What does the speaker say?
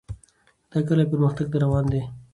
دا کلی پرمختګ ته روان دی.